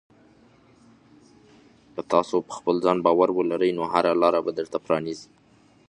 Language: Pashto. که تاسې په خپل ځان باور ولرئ، نو هره لاره به درته پرانیزي.